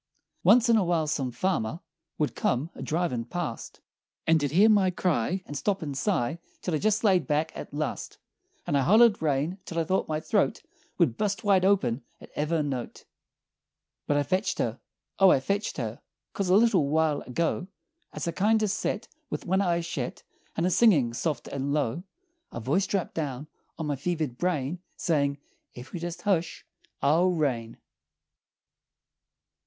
"Once in a while some farmer Would come a driven' past And he'd hear my cry, And stop and sigh Till I jest laid back, at last, And I hollered rain till I thought my throat Would bust wide open at ever' note! "But I fetched her! O I fetched her! 'Cause a little while ago, As I kindo' set With one eye shet, And a singin' soft and low, A voice drapped down on my fevered brain Sayin', 'Ef you'll jest hush I'll rain!'"